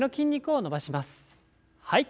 はい。